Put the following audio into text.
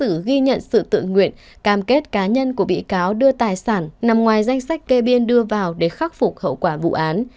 bị cáo lan đã ghi nhận sự tự nguyện cam kết cá nhân của bị cáo đưa tài sản nằm ngoài danh sách kê biên đưa vào để khắc phục hậu quả vụ án